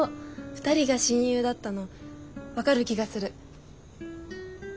２人が親友だったの分かる気がする。